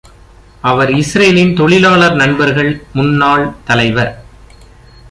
அவர் இஸ்ரேலின் தொழிலாளர் நண்பர்கள் முன்னாள் தலைவர்.